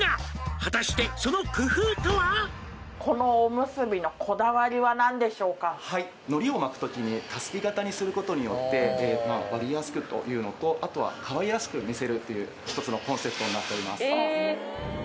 「果たしてその工夫とは？」はい海苔を巻く時にたすき型にすることによって割りやすくというのとあとはかわいらしく見せるという一つのコンセプトになっております